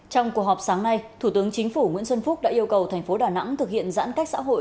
trong cuộc họp sáng nay thủ tướng chính phủ nguyễn xuân phúc đã yêu cầu thành phố đà nẵng thực hiện giãn cách xã hội